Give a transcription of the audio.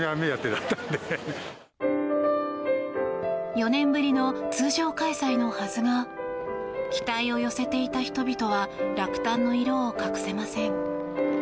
４年ぶりの通常開催のはずが期待を寄せていた人々は落胆の色を隠せません。